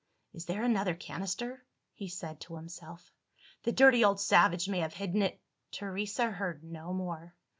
"Is there another canister?" he said to himself. "The dirty old savage may have hidden it " Teresa heard no more.